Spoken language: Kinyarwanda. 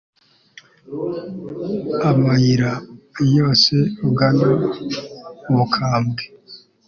amayira yose ugana ubukambwe